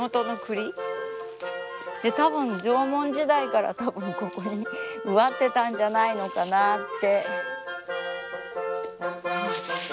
たぶん縄文時代からたぶんここに植わってたんじゃないのかなって。